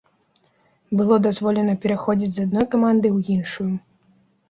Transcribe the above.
Было дазволена пераходзіць з адной каманды ў іншую.